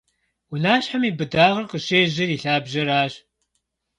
Унащхьэм и быдагъыр къыщежьэр и лъабжьэрщ.